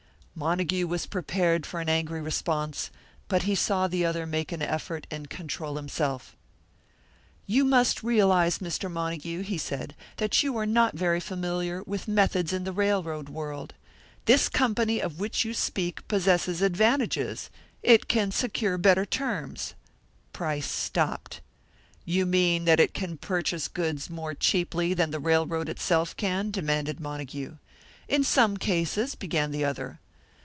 Montague was prepared for an angry response, but he saw the other make an effort and control himself. "You must realise, Mr. Montague," he said, "that you are not very familiar with methods in the railroad world. This company of which you speak possesses advantages; it can secure better terms " Price stopped. "You mean that it can purchase goods more cheaply than the railroad itself can?" demanded Montague. "In some cases," began the other.